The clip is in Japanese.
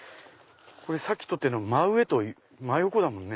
さっき撮ってるの真上と真横だもんね。